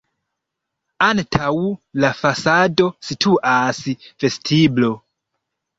Antaŭ la fasado situas vestiblo.